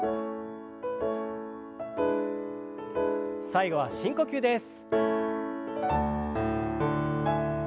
最後は深呼吸です。